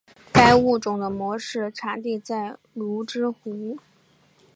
该物种的模式产地在芦之湖。